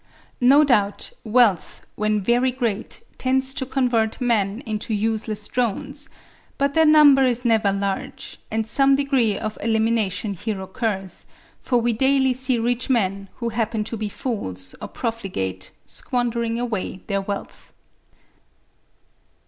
No doubt wealth when very great tends to convert men into useless drones, but their number is never large; and some degree of elimination here occurs, for we daily see rich men, who happen to be fools or profligate, squandering away their wealth.